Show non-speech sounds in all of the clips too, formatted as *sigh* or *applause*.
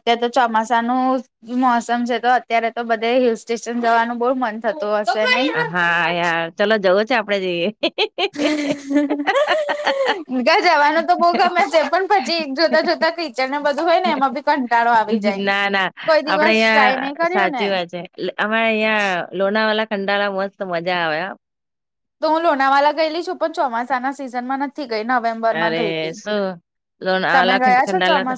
અત્યાર તો ચોમાસાનું મોસમ છે. તો અત્યારે તો બધે હિલ સ્ટેશન જવાનું બહુ મન થતું હશે નહી? હા યાર ચલો જવો છે આપડે જઈએ. ગા જવાનું તો બહ ગમે છે પણ પછી જોતા જોતા કીચર ને બધું હોય ને એમાંભી કંટાળો આવી જાય. ના ના કોઈ દિવસ ટ્રાય નહીં કર્યો ને. એટલે આમાં અહિયાં લોનાવલા ખંડાલા મસ્ત મજા આવે હા. તો હું લુણાવાલા ગયેલી છું પણ ચોમાસાના સિઝનમાં નથી ગઈ નવેમ્બર માં ગઈ તી. લોનાવલા ખ-ખંડાલા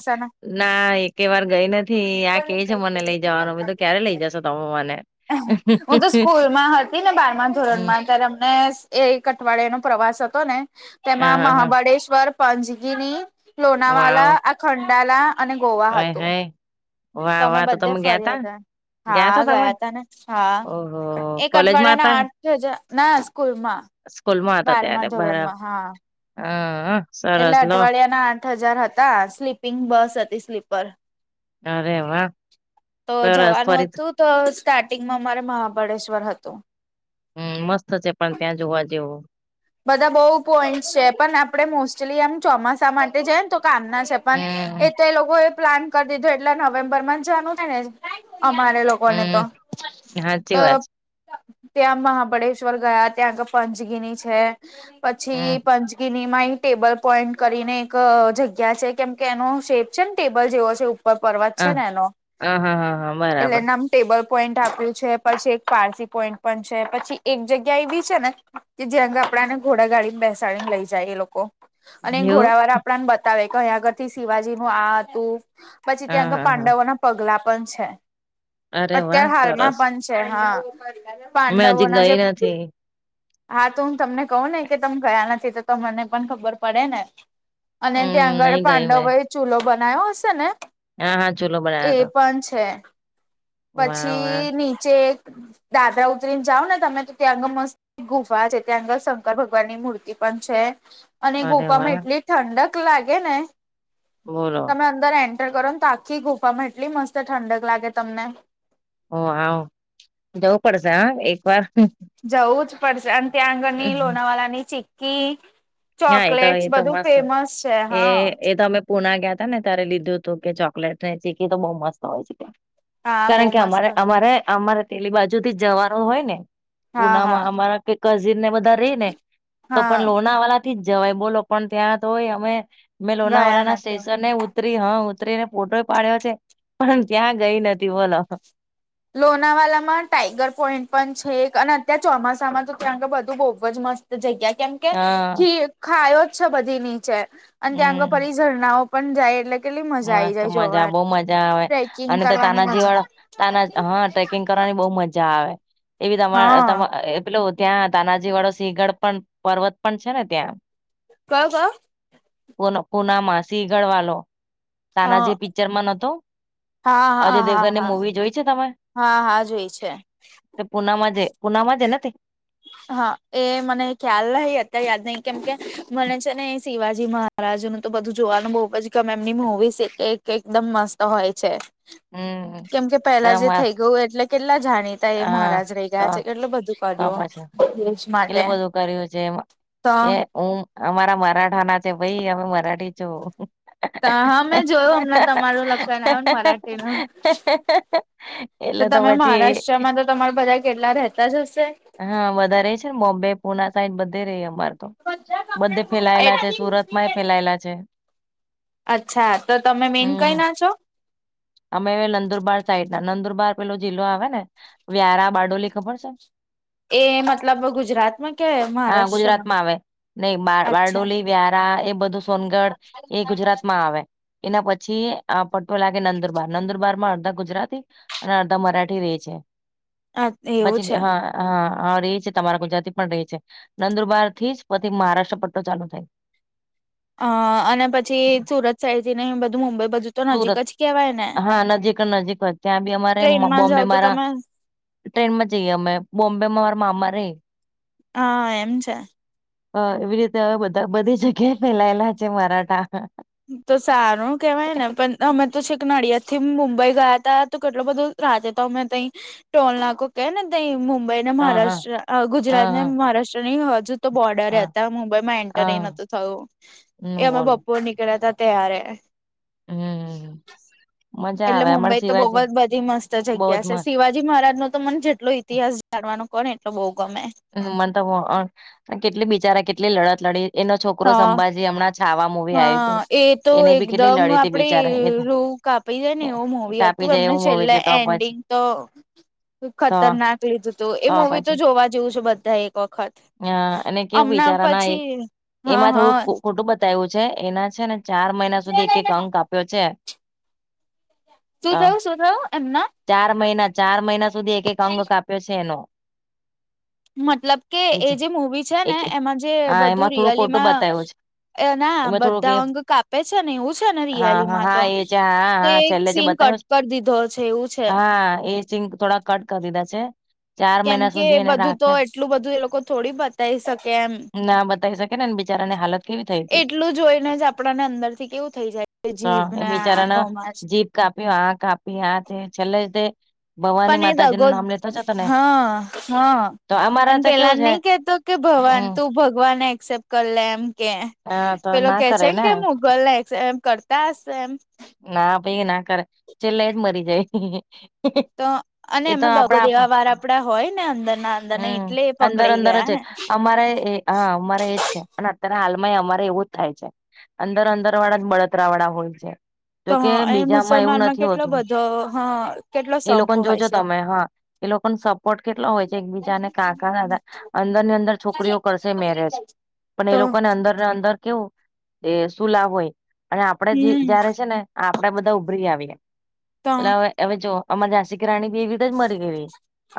ના એક વાર ગઈ નથી આ કે છે મને લઈ જવાનું બધો ક્યારે લઈ જશો તમે મને. હું તો સ્કૂલમાં હતી ને બારમા હમ્મ ધોરણમાં ત્યારે અમને એ એક અઠવાડિયાનો પ્રવાસ હતો ને હા તેમાં હા હા મહાબળેશ્વર પાંચગીની લોનાવાલા વાવ આ ખંડાલા અને ગોવા ઓય હતું. હય તો વાહ અમે વાહ તમે બધા ગયા ફર્યા તા. હા, ગયા તા ને હા ઓહો એક કોલેજમાં અઠવાડિયાના આઠ તે જા ના સ્કૂલ માં. સ્કૂલ માં હતા ત્યારે બરા હ અહ. એટલે અઠવાડિયાના આઠ હજાર હતા સ્લીપિંગ બસ હતી સ્લીપર. અરે વાહ. તો સરસ. જવાનું ફરી થી હતું તો સ્ટાર્ટિંગમાં મારે મહાબળેશ્વર હતું. હમ્મ, મસ્ત છે પણ ત્યાં જોવા જેવો. બધા બઉુ પોઈન્ટ છે પણ આપડે મોસ્ટલી એમ ચોમાસા માટે જાય ને તો કામના છે પણ એ હમ તો એ લોકો એ પ્લાન કરી દીધો એટલે નવેમ્બર માં જવાનું છે ને અમારે લોકોને તો. હમ સાચી અહ વાત છે ત્યાં મહાબળેશ્વર ગયા ત્યા ગ પંચગીની છે. પછી હમ પંચગીની માં એ ટેબલ પોઈન્ટ કરીને અહ એક જગ્યા છે કેમ કે એનો શેપ છે ને ટેબલ જેવો છે. પગ હ પર્વત છે ને એનો હા હા હા હા એટલે બરાબર નમ ટેબલ પોઈન્ટ આપ્યું છે પછી એક પારસી પોઈન્ટ પણ છે પછી એક જગ્યા એવી છે ને કે જ્યાં આગળ આપડાને ઘોડા ગાડી ને બેસાડીને લઈ જાય એ લોકો અને એવું ઘોડાવાળા આપડા આપડા ને બતાવે કે અહીંયા આગળ થી શિવાજી નું આ હતું પછી હા ત્યાં આગળ હા હા પાંડવોના પગલા પણ છે. અરે વાહ અત્યાર હાલમાં સરસ પણ છે હા. મેં હજી પાંડવો ના ગઈ જે નથી હા, તો હું તમને કહું ને કે તમ ગયા નથી તો મને પણ ખબર પડે ને. અને હમ ત્યાં આગળ નહી ગઈ મેં પાંડવો એ ચૂલો બનાયો હશે ને હા હા ચૂલો એ બના્યો હતો પણ છે. વાહ વાહ પછી નીચે દાદરા ઉતરીને જાઓ ને તમે તો ત્યાં આગળ મસ્ત ગુફા છે ત્યાં આગળ શંકર ભગવાન ની મૂર્તિ પણ છે. અને અરે ગુફામાં વાહ એટલી ઠંડક લાગે ને બોલો. તમે અંદર એન્ટર કરો ને તો આખી ગુફામાં એટલી મસ્ત ઠંડક લાગે તમને. ઓ વાવ જવું પડશે હો એક વાર. જવું જ પડશે અને ત્યાં આગળની લોનાવાલા ની ચીકી હા એ તો એ ચોકલેટસ તો બધું મસ્ત ફેમસ છે એ હા. એ તો અમે પુના ગયા તા ને ત્યારે લીધું હતું કે ચોકલેટ ને ચીકી તો બઉ મસ્ત હોય છે. હા બહુ કારણ કે મસ્ત અમારે અમારે અમારે પેલી બાજુથી જવાનું હોય ને હા હા ઉનામાં અમારા કે કઝીન ને બધા રહી ને તો હા પણ લોના વાલા થી જવાય બોલો પણ ત્યાં તો ય અમે ગયા લોનાવાલા ના નથી સ્ટેશનને ઉતરી હા ઉતરીને ફોટો પાડ્યો છે પણ ત્યાં ગઈ નથી બોલો લોનાવાલામાં ટાઈગર પોઈન્ટ પણ છે અને અત્યારે ચોમાસામાં તો ત્યાં તો બધું બવ જ મસ્ત તો જગ્યા કેમ કે હા ખી ખાયો જ છે બધી નીચે અને ત્યાં આગળ હમ્મ. ફરી ઝરણાઓ પણ જાય એટલે કેટલી મજા આઈ મસ્ત જાય મજા બવ જોવાની મજા આવે ટ્રેકિંગ અને તો કરવાની મજા તાનાજીવાળ તના હા ટ્રેકિંગ કરવાની બહુ મજા આવે એવી તમાર હા તમા પેલુ ત્યાં તાનાજી વાળો સિંહગઢ પણ પર્વત પણ છે ને ત્યાં કયો કયો? પુનામાં સિગળ વાલો. તાનાજી હા પિક્ચરમાં નતો? હા અજય હા હા દેવગનની હા, મૂવી જોઈ છે તમે હા હા જોય છે. તે પુનામા જે પુનામાંજે ને તે હા એ મને ખ્યાલ નહી અત્યારે યાદ નહી કેમ કે મને છે ને શિવાજી મહા રાજુ તો બધું જોવાનું બહુબ જ ગમે એમની મુવીઝ એકદમ મસ્ત હોય છે. હમ કેમ કે પેલા જે તમા થઇ ગયું એટલે કેટલા જાણીતા એ હા મહારાજ રહી તો ગયા છે. કેટલું બધું તો બન્યું. પછી કેટલું બધું કર્યું જે એમાં, તો એમ? હું અમારા મરાઠા ના છે. ભાઈ અમે મરાઠી છુ. હા મેં જોયું હમને તમારું લખવાણ આવ્યું ને મરાઠી નુ. એટલે તો પછી તેમાં તો તમારા બધા કેટલા રહેતા જ હશે. હા વધારે છે ને બોમ્બે પુના સાઈડ બધે રે ઈ અમાર તો બધા બધે ફેલાયેલા છે સુરત માં એ કપડા ફેલાયેલા છે. અચ્છા તો તમે મેન હમ કઈ ના છો? અમે નંદુરબાર સાઈડ ના નંદુરબાર પેલો જિલ્લો આવે ને, વ્યારા બારડોલી ખબર છે? એ મતલબ ગુજરાતમાં કે હા મહારાષ્ટ્રમાં? ગુજરાતમાં આવે નહી અચ્છા બારડોલી વ્યારા એ બધું સોનગઢ એ ગુજરાતમાં આવે. એના પછી આ પટ્ટો લાગે નંદર બાર, નંદુરબારમાં અડધા ગુજરાતી અને અડધા મરાઠી રે છે. અ એવું પછી છે હા હા હા રે છે તમારા ગુજરાતી પણ રહે છે. નંદુરબાર થી જ પછી મહારાષ્ટ્ર પટ્ટો ચાલુ થાય. અ અને પછી સુરત સાઈડ ઈને બધું મુંબઈ બજુ તો નજીક સુરત જ કેવાય? ને હા નજીક જ નજીક જ ત્યાં બી અમારે ટ્રેનમાં બોમ્બે જાવ તો મારા તમે ટ્રેન માં જઈએ અમે. બોમ્બે માં મારા મામા રહી. હા એમ છે. હા એવી રીતે હવે બધા બધી જગ્યાએ ફેલાયેલા છે મરાઠા. તો સારું કેવાય ને પણ અમે તો છેક નડિયાદ થી મુંબઈ ગયા તા તો કેટલો બધો રા હતા અમે તં ટોલ નાકુ કે ને ત મુંબઈ ને હા હા મહારાષ્ટ્ર ગુજરાત હા ને હા મહારાષ્ટ્ર ની હજુ તો બોર્ડર હા હતા મુંબઈ માં એન્ટર હા નતું થયું હમ એ અમે બોલો બપોર ની કેડા ત તૈયાર હમ મજા એટલે આવે અમર મુંબઈ તો બહ શિવાજી જ બધી મસ્ત બહુ જ જગ્યા છે મસ્ત સિવા જી મહારાજ નો તો મને જેટલો ઇતિહાસ જાણવાનો કો ને એટલો બહુ ગમે. હમ મલ કેટલી બિચારા કેટલી લડત લડી એનો છોકરો હા સંભાજી હમણાં છાવા મુવી આવ્યું હા હતું એ તો એને બી કેટલી એકદમ લડી હતી આપડે બિચારા રૂ કાપી જાય ને એ એવ મોવી હતી. કાપી તું જાય એમને એવું મુવી છેલ્લે છે તો પછી એન્ડિંગ તો તો ખતરનાક લીધું તું એ મવી તો જોવા જેવું છે બધા એક વખત-' હ અને કેવું હમણાં વિચારા ના એક પછી હા એમાં થોડું હા ખોટું બ ું છે એના છે ને ચાર મહિના સુધી એક એક અંક આપ્યો છે. શું થયું શું થયું એમના ચાર મહિના ચાર મહિના સુધી એક એક અંગ કાપ્યો છે એનો મતલબ કે એ બીજા જે મવી છે ને એક એમાં જે હા બધું એમાં થોડું ખોટું રિયલીમાં. બતાવ્યું છે એ ના એમાં થોડુંક બધા એ અંગ કાપે છે ને એવું છે ને હા રિયાલી હા માં હા તો એ જે હા કે હા છેલ્લે જે સિ કટ બતાવ્યું ઉપ દીધો છે એવું. છે હા એ સિંગ થોડા કટ કરી દીધા છે. ચાર કેમ મહિના કે સુધી એને બધું તો રાખે એટલું બધું એ લોકો થોડી બતાવી શકે એમ ના બતાવી શકે ને બિચારા એટલું જોઈને જ આપડાને અંદર થી કેવું થઈ જાય. તો જીભ એ ને બિચારાને આંખોમાં જ જીભ કાપી આ કાપી આ તે છેલ્લે તે ભવાની પણ એ દ માતાજી ગો નું નામ લેતો જ હતો ને હા હા તો અમારા અને તો કેવું પેલાને છે નહી કેતો કે ભવાન હમ તું ભગવાન એક્સેપ્ટ કરી લે એમ કે હા તો પેલો ના કે કરે છેમ ને કે મુગલ ને એમ કરતા હશે એમ ના પાઈ ના કરે ચલેેટ મરી જાય. તો અને એ તો એમાં દગો આપડા દેવા વાર આપડા હોય ને અંદરના હમ અંદર અંદર જ અમારે એ હા અમારે એજ છે પણ અત્યારે હાલમાં અમારે એવું જ થાય છે. અંદર અંદર વાળા જ બળતરા વાળા હોય છે. તો જોકે એ બીજામાં એવું મુસલમાનમાં નથી કેટલો હોતું બધો હ કેટલો એ સંપ લોકોને હોય જોજો છે તમે હા એ લોકો ન સપોર્ટ કેટલા હોય છે. બીજાને કાકા દાદા અંદર ની અંદર છોકરીઓ કરશે મેરેજ પણ તો એ લોકોને અંદર ને અંદર કેવું એ શું લાભ હોય અને આપડે જે હમ જય્યારે છે ને. આપડા બધા ઉભરી આવીએ તો એટલે હવે હવે જો આમાં ાસિકી રાણી બી એવી જ મરી ગય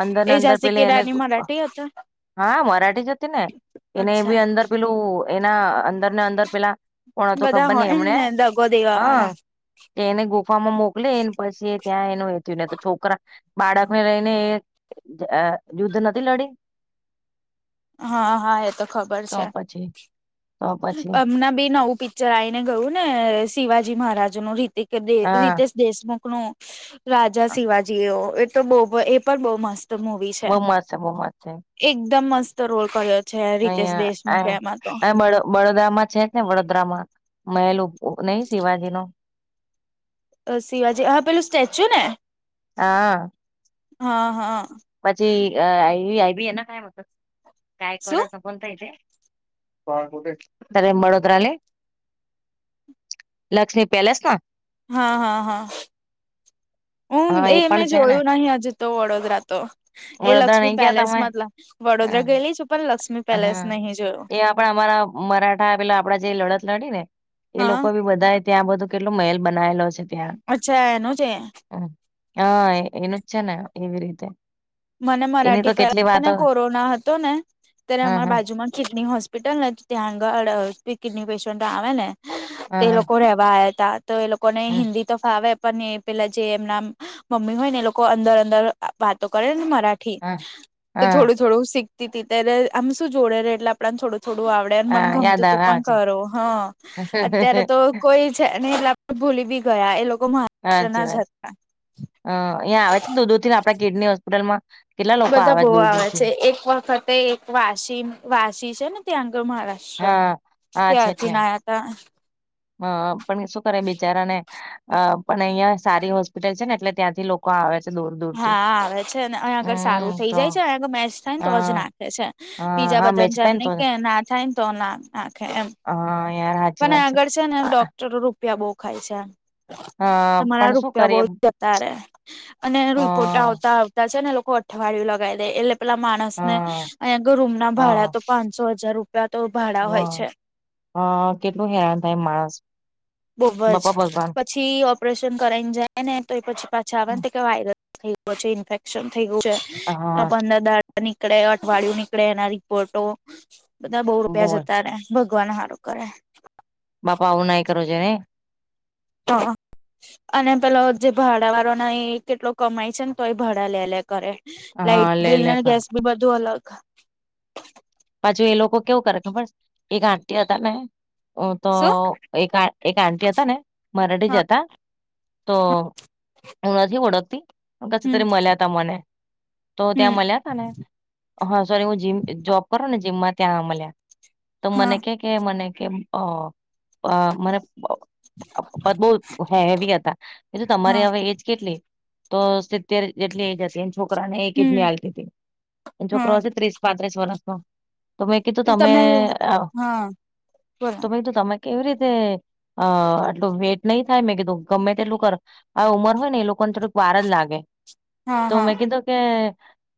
અંદર ને એ અંદર ઝાંસી પેલે કી રાની મરાઠી હતા હા મરા જ ને એને અચ્છા અંદર પેલું એના અંદર ને અંદર પેલા કોણ તો બધા ખબર નહ હોય એમને ને દગો દેવા હ વાળા કે એને ગુફામાં મોકલે એને પછી ત્યાં એનું એ થયું ને તો છોકરા બાળકને લઈને એ યુદ્ધ નથી લડી હા હા એ તો ખબર તો છે પછી તો પછી હમના બી નવું પી ચરાઈ ને ગયું ને શિવાજી મહારાજ નું રીતે હા રીતે દેશમુખ ન રાજા શિવાજીઓ એ તો બહ એ પણ બહુ મસ્ત મુ બહુ માસ છે બહુ માસ છે. એકદમ મસ્ત રોલ કર્યો. છે રીતેશ અહં દેશમુખે એમાં તો આ બ બડોદરામાં છે. ને વડોદરામાં મહેલ શિવાજી નો શિવાજી હા પેલું સ્ટેચ્યુ ને હા હા હા પછી આઈ આઈબી એના કઈત કઈ કળ શું બરે મળળોદ્રાલે લક્ષ્મી પેલેસ ના હા હા હા હું હા એ પણ મેં છે ને જોયું નહિ હજુ તો વડોદરા તો એ વડોદરા લક્ષ્મી નઈ ગયા પેલેસ તમે મતલબ વડોદરા ગયેલી છું પણ લ હા એ આપડા અમારા મરાઠા પેલા આપડા જે લડત લડી ને એ હા લોકો બી બધા ત્યાં બધું કેટલો મહેલ બનાવેલો છે. ત્યાં અચ્છા એનું છે હા એનું છે ને એવી રીતે મને એની તો મરાઠી કેટલી પહેલાને વાતો કોરોના હતો ને ત્યારે હા અમારા હા બાજુમાં કિડની હોસ્પિ હોસ્પિટલ ને તો ત્યાં આગળ કિડની પેશન્ટ આવે ને તો હા એ હા લોકો રેવા આયા તા તો એ લોકો ને હમ હિન્દી તો ફાવે પણ એ પેલા જે એમના મમ્મી હોય ને એ લોકો અંદર અંદર વાતો કરે ને મરાઠ મરાઠી હા તો હા થોડું થોડું શીખતી તી ત્યારે આમ શું જોડે રેય એટલે આપણને શું થોડું થોડું આવડે મને હા યાદ ગમતું તું આવે પણ આવે ખરું હા અત્યારે છે તો કોઈ છે ને એટલે ભૂલી બી જવાય એ લોકો મહારાષ્ટ્રના જ હતા. હા અહંયા આવે છે ને દો થી આપ તા કિડની હોસ્પિટલમાં કેટલા લોકો બધા બો દૂર દૂર આવે છે થી એક વખતે એક વાસી વાસી છે ને ત્યાં આગળ મહારાષ્ટ હા ત્યાંથી નાયા તા. અ પણ શું કરે બિચારાને અ પણ અહિયાં સારી હોસ્પિટલ છે ને એટલે ત્યાંથી લોકો આવે છે દૂર દૂરથી હા આવે છે ને અહીંયા આગળ સારું થઇ હમ તો જાય છે અહીંયા આગળ મેચ થાય ને તો જ હા ના નાખે છે હા બીજા હા બધા મેચ જેમ થાય ને નય તો જ. કે ના થાય ને તો ના નાખે એમ હા યાર હાચી પણ વાત છે. આગળ છે ને ડોક્ટરો રૂપિયા બો ખાય છે. હા તમારા પણ શું રૂપિયા બો કરીએ જતા રે અને રિપોર્ટ હા આવતા છે ને લોકો અઠવાડિયુ લગાવી દે એટલે પેલા માણસ ને હા અહીંયા આગળ રૂમ ના ભાડા હા તો પાંન સો હજાર રૂપિયા તો ભાડા હોય વા છે. હા કેટલું હેરાન થાય માણસ. બોવ જ બાપા ભગવાન પછી ઓપરેશન કરાઈને જાય ને તો પછી પાછા આવે ને તો વાયરસ થઈ ગયો છે ઇન્ફેક્શન થઈ ગયું છે. ને હા પંદર દહાડા નીકળે અઠવાડિયું નીકળે એના રિપોર્ટો બધા બો રૂપિયા બોલ જતા રે ભગવાન હારું કરે. બાપા આવું નાઈ કરવુ જોઇએ ને તો અને પેલો જે ભાડા વાળો ના એ કેટલો કમાય છે ને તો એ ભાડા લે લે કરે. લાઈટ હા લે બિલ ને, લે કરે ગેસ બીલ બધું અલગ પાછુ એ લોકો કેવું કરે ખબર છે એક આંટી હતા ને તો શું એક એક આંટી હતા ને મરાઠી જ હા હતા તો હું નથી ઓળખતી પછી હમ ત્યારે મલ્યા તા મને તો હમ ત્યાં મલ્યા તા ને હા સોરી હું જીમ, જોબ કરું ને જીમમાં ત્યાં મલ્યા તો હા મને કે કે મને કેમ અ અ મને બ પદબો હેવી હતા મેં કીધું હા તમારે હવે એજ કેટલી? તો સિત્તેર જેટલી એજ હશે. છોકરાને એક હમ કિડની હાલતી હતી, છોકરો હા હસે ત્રીસ-પાંત્રીસ વરષનો. તો મે કીધું તમે અ હા બોલો તો મે કીધું તમે કેવી રીતે અ આટલું વેટ નય થાય મેં કીધું ગમે તેટલું કર આ ઉંમર હોય ને એ લોકો ને થોડુંક વાર જ લાગે. હા તો હા મેં કીધું કે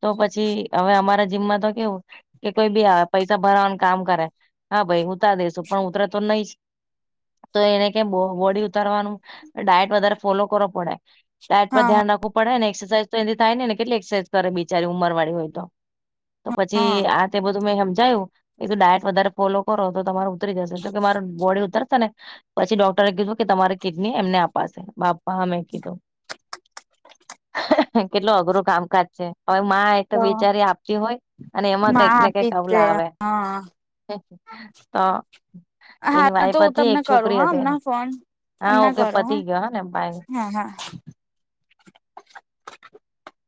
તો પછી અવે અમારા જીમમાં તો કેવું કે કોઈ બી આવે પૈસા ભરાવાનું કામ કરે, હા ભાઈ ઉતાર દેસુ પણ ઉતરે તો લયસ. તો એને કેમ બો બોડી ઉતારવાનું ડાયટ વધારે ફોલો કરવો પડે. ડાયટ પર હા હા ધ્યાન રાખવું પડે ને એક્સરસાઇઝ તો એનથી થાય ની ને કેટલી એક્સરસાઇઝ કરે બિચારી ઉંમરવાળી હોય તો. તો પછી હા આ તે બધું મેં હમજાયવુ મેં કીધું ડાયટ વધારે ફોલો કરો તો તમારું ઉતરી જશે તો કે મારે બોડી ઉતરશે ને પછી ડોક્ટરે કીધું કે તમારી કિડની એમને અપાશે, બાપ મેં કીધું, કેટલુ અઘરું કામકાજ છે હવે મા એ તો બિચારી આપતી હોય, અને એમાં મા કઈક ને કઈક આપી જ આવું દે લાવે. હા તો એની હા તો વાઈફ હું હતી તમને એક કરું છોકરી હા હતી હમણાં એની. ફોન હા, હમણાં ઓકે કરો હા પતી ગયો હને, બાય હા હા *inaudible*